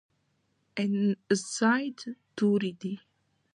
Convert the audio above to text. ان زاید توري دي.